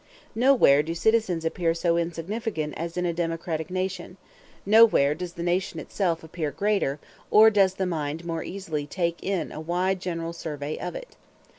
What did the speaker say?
Nowhere do citizens appear so insignificant as in a democratic nation; nowhere does the nation itself appear greater, or does the mind more easily take in a wide general survey of it.